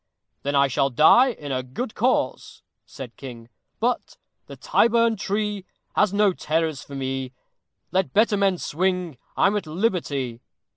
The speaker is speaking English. "Then I shall die in a good cause," said King; "but The Tyburn Tree Has no terrors for me, Let better men swing I'm at liberty.